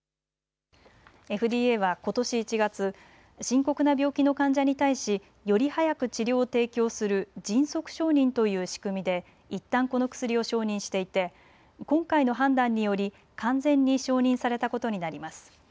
ＦＤＡはことし１月、深刻な病気の患者に対しより早く治療を提供する迅速承認という仕組みでいったんこの薬を承認していて今回の判断により完全に承認されたことになります。